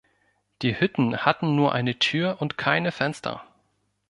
Die Hütten hatten nur eine Tür und keine Fenster.